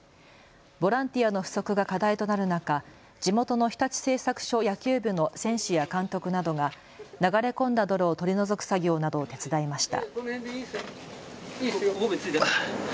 ボランティアの不足が課題となる中、地元の日立製作所野球部の選手や監督などが流れ込んだ泥を取り除く作業などを手伝いました。